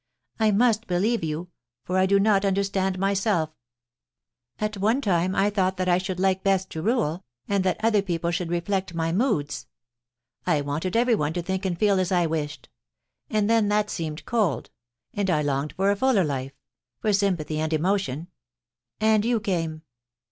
* I must believe you, for I do not understand myself At one time I thought that I should like best to rule, and that other people should reflect my moods. I wanted everyone to think and feel as I wished. ... And then that seemed cold, and I longed for a fuller life — for sympathy and emotion. And you came.